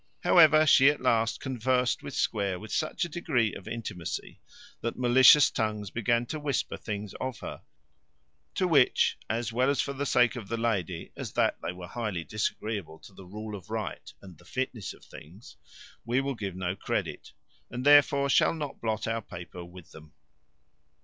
However, she at last conversed with Square with such a degree of intimacy that malicious tongues began to whisper things of her, to which, as well for the sake of the lady, as that they were highly disagreeable to the rule of right and the fitness of things, we will give no credit, and therefore shall not blot our paper with them.